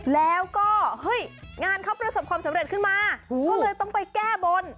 แล้วก็เฮ้ยงานเขาประสบความสำเร็จขึ้นมาก็เลยต้องไปแก้บน